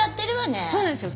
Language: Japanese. そうですよ。